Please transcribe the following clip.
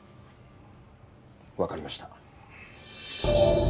わかりました。